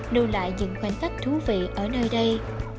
lưu lại những khoảnh khắc thú vị ở nơi đây